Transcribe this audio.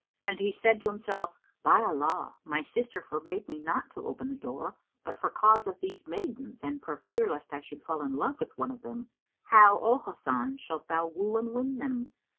And he said to himself, "By Allah, my sister forbade me not to open the door, but for cause of these maidens and for fear lest I should fall in love with one of them! How, O Hasan shalt thou woo and win them?